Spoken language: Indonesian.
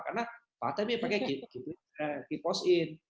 karena pak t b pake keepozin